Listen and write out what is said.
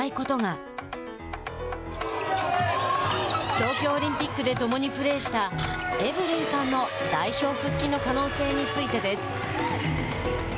東京オリンピックで共にプレーしたエブリンさんの代表復帰の可能性についてです。